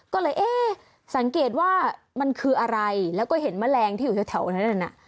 ก็เลยเอ๊ะสังเกตว่ามันคืออะไรแล้วก็เห็นแมลงที่อยู่แถวนั้นน่ะ